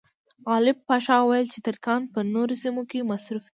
غالب پاشا وویل چې ترکان په نورو سیمو کې مصروف دي.